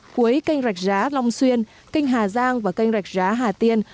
cuối kênh rạch giá long xuyên kênh hà giang và kênh rạch giá hà tiên